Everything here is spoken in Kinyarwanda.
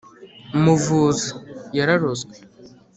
muvuze yararozwe